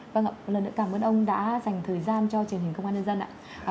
vâng một lần nữa cảm ơn ông đã dành thời gian cho truyền hình công an nhân dân ạ